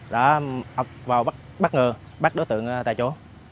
đã vào bắt đối tượng tại chỗ